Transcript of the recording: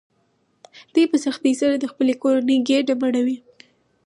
دوی په سختۍ سره د خپلې کورنۍ ګېډه مړوي